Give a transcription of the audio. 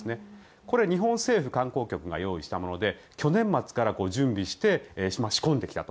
これ、日本政府観光局が用意したもので去年末から準備して仕込んできたと。